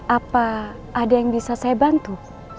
apa ada yang bisa saya bantu